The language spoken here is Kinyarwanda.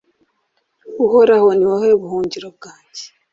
uhoraho, ni wowe buhungiro bwanjye